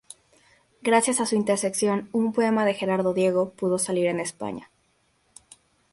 Gracias a su intercesión, un poema de Gerardo Diego pudo salir en "España".